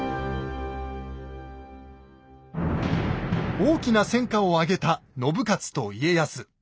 大きな戦果を上げた信雄と家康。